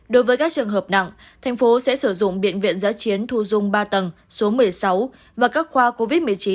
đối với các trường hợp nặng thành phố sẽ sử dụng bệnh viện giá chiến thu dung ba tầng số một mươi sáu và các khoa covid một mươi chín